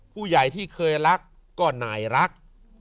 ผู้ใหญ่ที่เคยรักก็หน่ายรัก